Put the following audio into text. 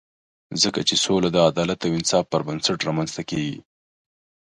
ځکه چې سوله د عدالت او انصاف پر بنسټ رامنځته کېږي.